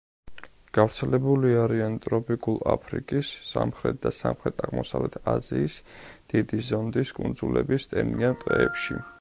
გავრცელებული არიან ტროპიკულ აფრიკის, სამხრეთ და სამხრეთ-აღმოსავლეთ აზიის, დიდი ზონდის კუნძულების ტენიან ტყეებში.